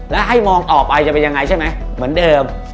แล้วให้มองต่อไปจะเป็นยังไงใช่ไหมเหมือนเดิม